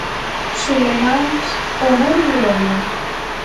Su lema es ""Honor y Gloria"".